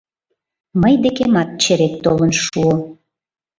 Мый декемат черет толын шуо.